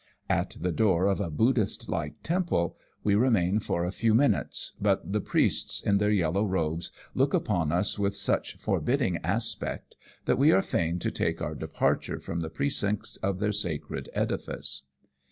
At the door of a Buddhist like temple we remain for a few minutes, but the priests in their yellow robes look upon us with such forbidding aspect that we are fain to take our departure from the precincts of their sacred edifice.